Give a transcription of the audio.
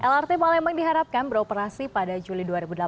lrt palembang diharapkan beroperasi pada juli dua ribu delapan belas